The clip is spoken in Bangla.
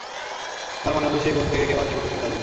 তার মানে হল সেই বন থেকে কেউ আর জীবিত ফেরত আসেবেনা।